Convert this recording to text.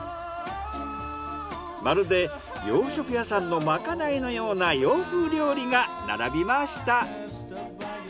まるで洋食屋さんのまかないのような洋風料理が並びました。